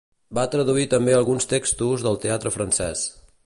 Va traduir també alguns textos del teatre francès.